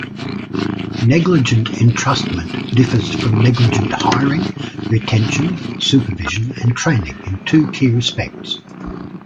Negligent entrustment differs from negligent hiring, retention, supervision, and training in two key respects.